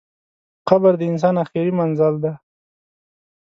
قبر د انسان اخري منزل دئ.